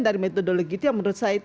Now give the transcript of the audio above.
dari metodologi itu yang menurut saya